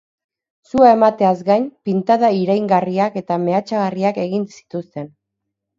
Sua emateaz gain, pintada iraingarriak eta mehatxagarriak egin zituzten.